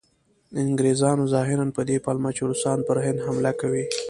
انګریزانو ظاهراً په دې پلمه چې روسان پر هند حمله کوي.